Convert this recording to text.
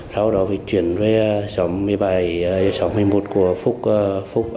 sau đó chuyển về sáu mươi bảy sáu mươi một của phúc